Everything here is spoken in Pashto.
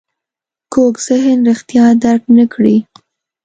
کوږ ذهن رښتیا درک نه کړي